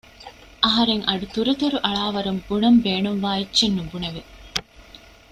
އަހަރެން އަޑު ތުރުތުރު އަޅާވަރުން ބުނަން ބޭނުންވާ އެއްޗެއް ނުބުނެވެ